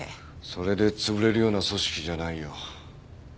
それで潰れるような組織じゃないよ。